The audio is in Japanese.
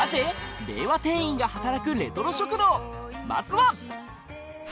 まずは！